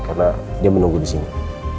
karena dia menunggu disini